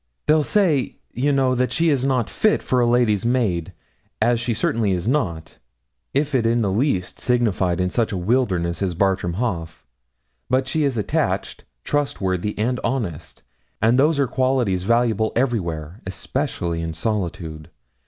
'They'll say, you know, that she is not fit for a lady's maid, as she certainly is not, if it in the least signified in such a wilderness as Bartram Haugh; but she is attached, trustworthy, and honest; and those are qualities valuable everywhere, especially in a solitude.